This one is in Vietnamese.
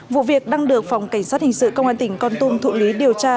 vụ việc đang được phòng cảnh sát hình sự công an tỉnh con tum thụ lý điều tra